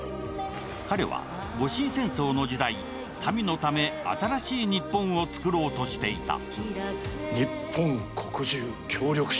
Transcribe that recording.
彼は、戊辰戦争の時代、民のため新しい日本を作ろうとしていた。